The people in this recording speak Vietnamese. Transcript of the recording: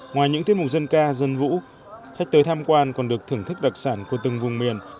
ngoài những tiết mục dân ca dân vũ khách tới tham quan còn được thưởng thức đặc sản của từng vùng miền